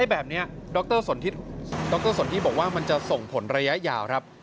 แบบนี้ดรดรสนทิบอกว่ามันจะส่งผลระยะยาวครับ